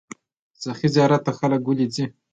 سخي زیارت ته خلک ولې ځي؟